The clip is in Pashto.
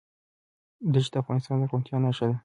دښتې د افغانستان د زرغونتیا نښه ده.